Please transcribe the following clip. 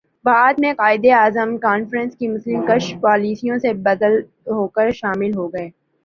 بعد میں قائداعظم کانگریس کی مسلم کش پالیسیوں سے بددل ہوکر شامل ہوگئے